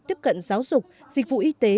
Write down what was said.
tiếp cận giáo dục dịch vụ y tế